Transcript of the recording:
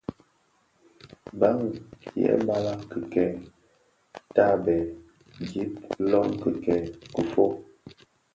Bàng yêê balag kikèèkel tààbêê, gib lóng kikèèkel kifôg.